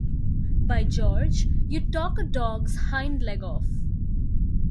By George, you'd talk a dog's hind leg off.